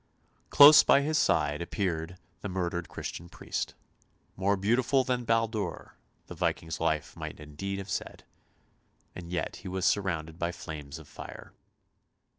Close by his side appeared the murdered Christian priest, " more beautiful than Baldur," the Viking's wife might indeed have said, and yet he was surrounded by flames of fire.